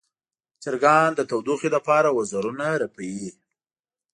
چرګان د تودوخې لپاره وزرونه رپوي.